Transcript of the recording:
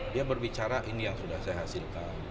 dia berbicara ini yang sudah saya hasilkan